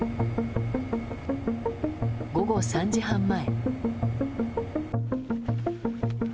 午後３時半前。